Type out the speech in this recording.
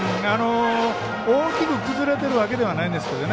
大きく崩れているわけではないんですけどね。